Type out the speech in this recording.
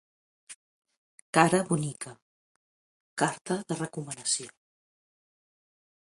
Cara bonica, carta de recomanació.